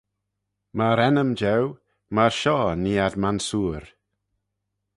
Myr ennym jeu, myr shoh nee ad m'ansoor.